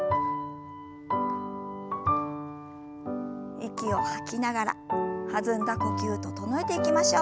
息を吐きながら弾んだ呼吸整えていきましょう。